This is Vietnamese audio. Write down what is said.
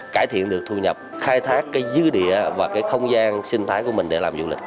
cải thiện được thu nhập khai thác cái dư địa và cái không gian sinh thái của mình để làm du lịch